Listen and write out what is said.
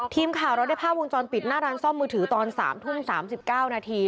ทีมข่าวเราได้ภาพวงจรปิดหน้าร้านซ่อมมือถือตอน๓ทุ่ม๓๙นาที